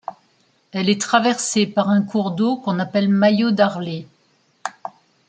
Elle est traversée par un cours d'eau qu'on appelle Mayo-Darlé.